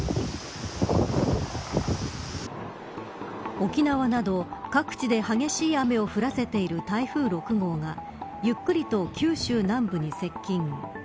沖縄など各地で、激しい雨を降らせている台風６号がゆっくりと九州南部に接近。